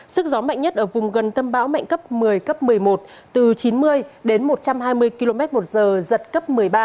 sức gió mạnh nhất ở vùng gần tâm bão mạnh cấp một mươi cấp một mươi một từ chín mươi đến một trăm hai mươi km một giờ giật cấp một mươi ba